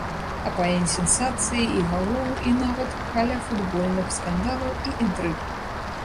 Хапае і сенсацый, і галоў, і нават каляфутбольных скандалаў і інтрыг.